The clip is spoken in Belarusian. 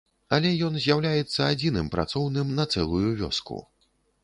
Але ён з'яўляецца адзіным працоўным на цэлую вёску.